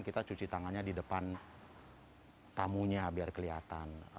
kita cuci tangannya di depan tamunya biar kelihatan